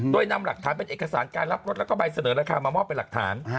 โดยนำหลักฐานเป็นเอกสารการรับรถแล้วก็ใบเสนอราคามามอบเป็นหลักฐาน